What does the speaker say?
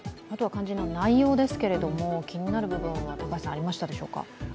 肝心な内容ですが、気になる部分がありましたでしょうか？